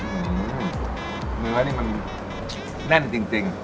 อื้อมึงไหมนี่มันแน่นจริง